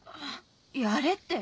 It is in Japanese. やれって。